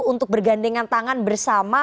untuk bergandengan tangan bersama